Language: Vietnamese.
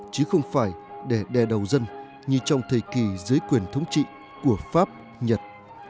chứ không phải để đè đầu dân như trong thời kỳ dưới quyền thống trị của pháp nhật